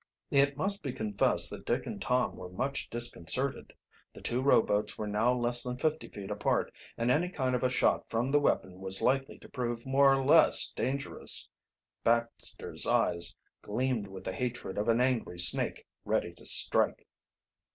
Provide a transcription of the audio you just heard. It must be confessed that Dick and Tom were much disconcerted. The two rowboats were now less than fifty feet apart, and any kind of a shot from the weapon was likely to prove more or less dangerous. Baxter's eyes gleamed with the hatred of an angry snake ready to strike.